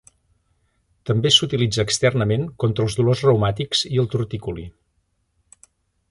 També s'utilitza externament contra els dolors reumàtics i el torticoli.